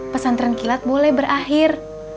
pesan tranquilat boleh berakhir